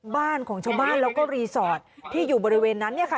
บ้านของชาวบ้านแล้วก็รีสอร์ทที่อยู่บริเวณนั้นเนี่ยค่ะ